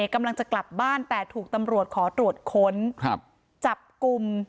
กำลังจะกลับบ้านแต่ถูกตำรวจขอตรวจค้นจับกลุ่ม